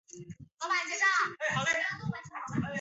用于食物调理及化学实验。